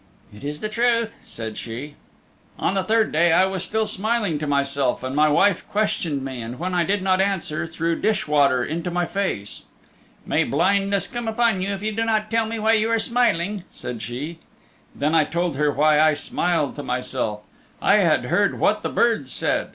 "It is the truth," said she. "On the third day I was still smiling to myself, and my wife questioned me, and when I did not answer threw dish water into my face. 'May blindness come upon you if you do not tell me why you are smiling,' said she. Then I told her why I smiled to myself. I had heard what the birds said.